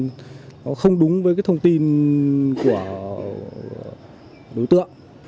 thông tin không đúng với thông tin của đối tượng